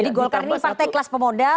jadi golkar ini partai kelas pemodal